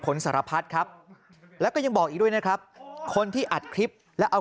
สารพัดครับแล้วก็ยังบอกอีกด้วยนะครับคนที่อัดคลิปแล้วเอา